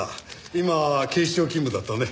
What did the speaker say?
今は警視庁勤務だったね？